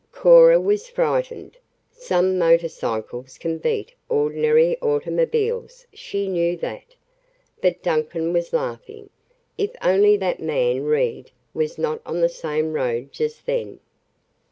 Cora was frightened. Some motor cycles can beat ordinary automobiles; she knew that. But Duncan was laughing. If only that man, Reed, was not on the same road just then.